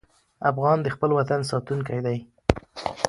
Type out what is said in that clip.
افغان د خپل وطن ساتونکی دی.